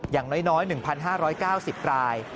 อย่างน้อย๑๕๙๐ราย